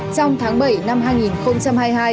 trong tháng bảy năm hai nghìn hai mươi hai